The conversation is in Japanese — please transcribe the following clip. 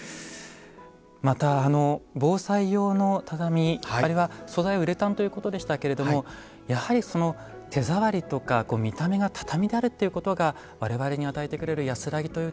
また防災用の畳あれは素材はウレタンということでしたけれどもやはりその手触りとか見た目が畳であるっていうことが我々に与えてくれる安らぎという点では大きいんでしょうかね。